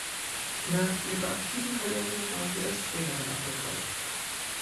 Nach ihrer aktiven Karriere war sie als Trainerin erfolgreich.